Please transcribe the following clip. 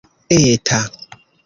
eta